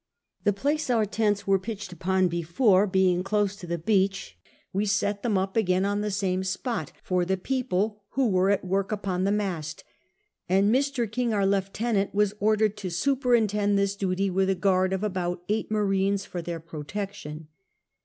The place our tents were pitched upon before being close to the beach, we set them up again on the same spot for the peojile who were at work upon the nnist, and Mr. King, our lieutenant, was ordered to superintend this duty, with a guaid of about eiglit marines for their protection.